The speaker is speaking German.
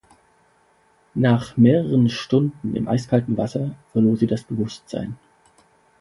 Nach mehreren Stunden im eiskalten Wasser verlor sie das Bewusstsein.